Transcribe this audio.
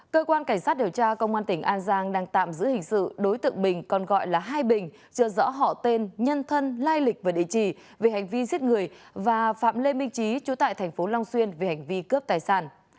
cơ quan cảnh sát điều tra công an tỉnh an giang đang tạm giữ hình sự đối tượng bình còn gọi là hai bình chưa rõ họ tên nhân thân lai lịch và địa chỉ về hành vi giết người và phạm lê minh trí chủ tại thành phố long xuyên về hành vi cướp tài sản